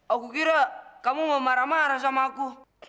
aku kira kamu mau marah marah sama aku